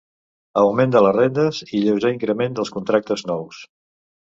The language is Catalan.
Augment de les rendes i lleuger increment dels contractes nous.